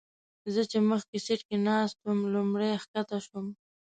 زه چې مخکې سیټ کې ناست وم لومړی ښکته شوم.